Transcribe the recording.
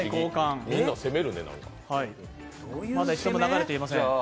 まだ一度も流れていません。